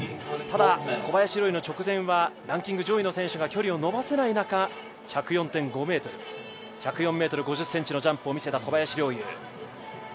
ただ、小林陵侑の直前はランキング上位の選手が距離を伸ばせない中、１０４．５ｍのジャンプを見せた小林陵侑。